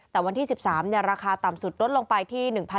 ส่วนวันที่๑๓ราคาต่ำสุด๑๒๗๕บาท